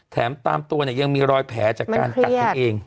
แถมตามตัวเนี่ยยังมีรอยแผลจากการกัดกันเอง